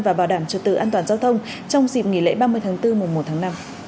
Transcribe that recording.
và bảo đảm trật tự an toàn giao thông trong dịp nghỉ lễ ba mươi tháng bốn mùa một tháng năm